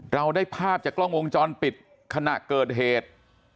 เราได้ภาพจากกล้องวงจรปิดขณะเกิดเหตุ